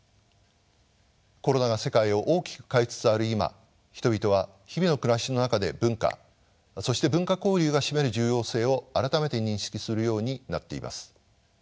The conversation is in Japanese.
コロナが世界を大きく変えつつある今人々は日々の暮らしの中で文化そして文化交流が占める重要性を改めて認識するようになっています。